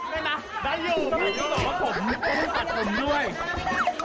เพราะผมแรกว่าผมแรก